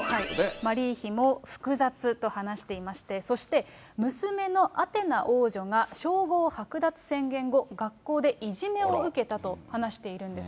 マリー妃も複雑と話していまして、そして、娘のアテナ王女が称号剥奪宣言後、学校でいじめを受けたと話しているんです。